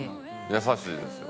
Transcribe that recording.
優しいですよ。